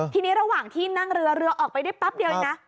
ทีนี้ระหว่างที่นั่งเรือเรือออกไปได้แป๊บเดียวเองนะ